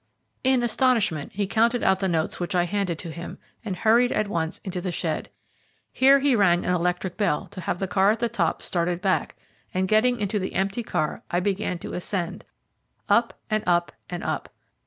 In astonishment he counted out the notes which I handed to him, and hurried at once into the shed. Here he rang an electric bell to have the car at the top started back, and getting into the empty car, I began to ascend up, and up, and up.